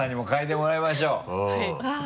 はい。